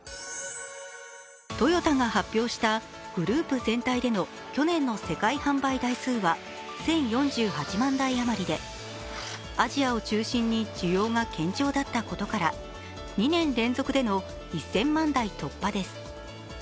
トヨタが発表したグループ全体での去年の世界販売台数は１０４８万台余りでアジアを中心に需要が堅調だったことから２年連続での１０００万台突破です。